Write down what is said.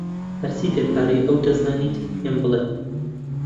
هەرچی دەربارەی ئەو دەزانیت پێم بڵێ.